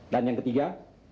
dan yang ketiga